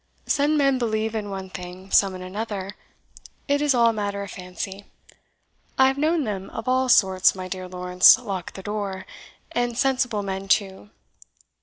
Some men believe in one thing, some in another it is all matter of fancy. I have known them of all sorts, my dear Lawrence Lock the door, and sensible men too.